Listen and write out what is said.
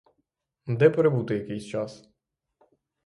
Де перебути якийсь час?